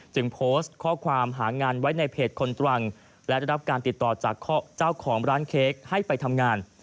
โพสต์ข้อความหางานไว้ในเพจคนตรังและได้รับการติดต่อจากเจ้าของร้านเค้กให้ไปทำงาน